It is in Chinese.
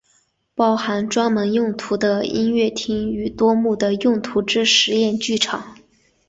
包含专门用途的音乐厅与多目的用途之实验剧场。